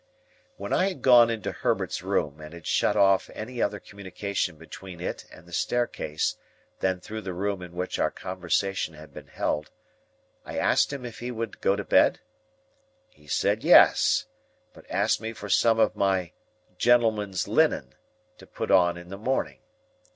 When I had gone into Herbert's room, and had shut off any other communication between it and the staircase than through the room in which our conversation had been held, I asked him if he would go to bed? He said yes, but asked me for some of my "gentleman's linen" to put on in the morning.